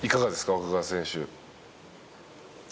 湧川選手。